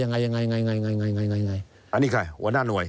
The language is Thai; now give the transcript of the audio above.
อันนี้ค่ะหัวหน้าหน่วย